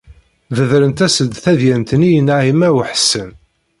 Bedrent-as-d tadyant-nni i Naɛima u Ḥsen.